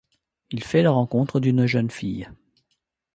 Il fait la rencontre d'une jeune fille.